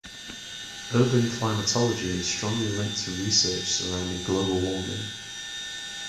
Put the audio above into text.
Urban climatology is strongly linked to research surrounding global warming.